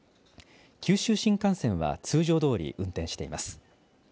九州新幹線は通常どおり運転しています。